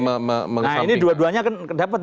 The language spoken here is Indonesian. nah ini dua duanya kan dapat